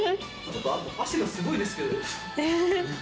汗がすごいですけど。